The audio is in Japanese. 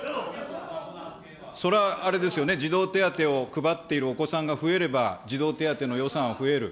それはあれですよね、児童手当を配っているお子さんが増えれば児童手当の予算も増える。